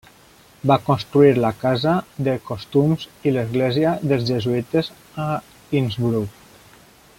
Va construir la Casa de Costums i l'Església dels Jesuïtes a Innsbruck.